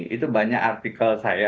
itu banyak artikel saya